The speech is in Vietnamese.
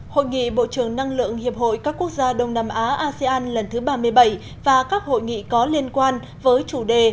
hội nghị bộ trưởng năng lượng hiệp hội các quốc gia đông nam á asean lần thứ ba mươi bảy và các hội nghị có liên quan với chủ đề